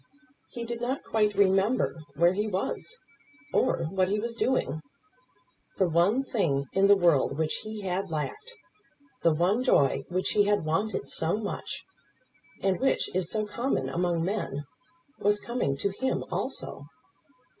He did not quite remember where he was, or what he was doing. The one thing in the world which he had lacked; the one joy which he had wanted so much, and which is so common among men, was coming to him also.